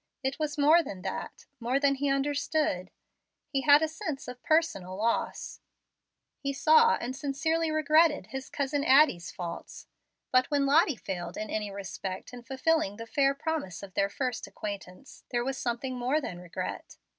It was more than that, more than he understood. He had a sense of personal loss. He saw and sincerely regretted his cousin Addie's faults; but when Lottie failed in any respect in fulfilling the fair promise of their first acquaintance, there was something more than regret.